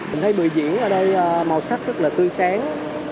mình thấy bưởi diễn ở đây màu sắc rất là tươi sáng